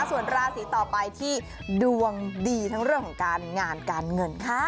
ส่วนราศีต่อไปที่ดวงดีทั้งเรื่องของการงานการเงินค่ะ